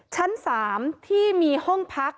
ชั้น๓ที่มีห้องพัก